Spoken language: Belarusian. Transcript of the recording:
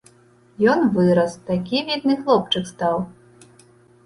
Ён вырас, такі відны хлопчык стаў.